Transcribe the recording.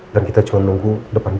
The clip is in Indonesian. dan kita cuma nunggu depan buahnya ya